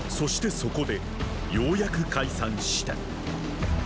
そこでようやく解散した。